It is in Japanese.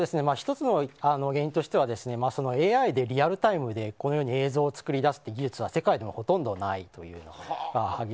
１つの原因としてはＡＩで、リアルタイムでこのように映像を作り出す技術はほとんどないという。